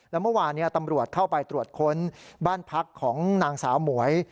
แล้วเมื่อวานนี้ตำรวจเข้าไปตรวจค้นบ้านพักของนางสาวหมวย